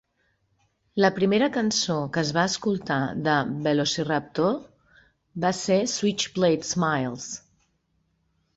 La primera cançó que es va escoltar de Velociraptor, va ser "Switchblade Smiles".